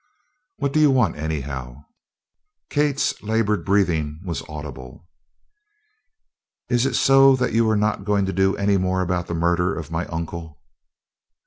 "What do you want, anyhow?" Kate's labored breathing was audible. "Is it so that you are not going to do any more about the murder of my uncle?"